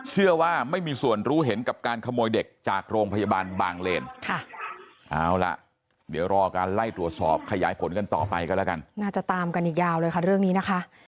เชื่อว่าไม่มีส่วนรู้เห็นกับการขโมยเด็กจากโรงพยาบาลบางเลนค่ะ